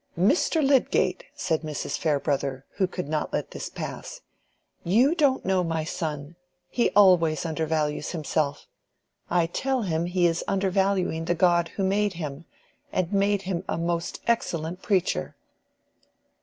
"Mr. Lydgate," said Mrs. Farebrother, who could not let this pass, "you don't know my son: he always undervalues himself. I tell him he is undervaluing the God who made him, and made him a most excellent preacher."